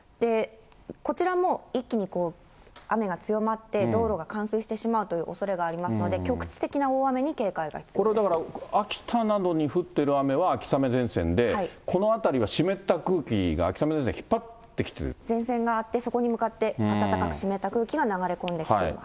こちらも一気にこう雨が強まって、道路が冠水してしまうというおそれがありますので、これ、だから秋田などに降ってる雨は秋雨前線で、この辺りが湿った空気が、前線があって、そこに向かって暖かく湿った空気が流れ込んできています。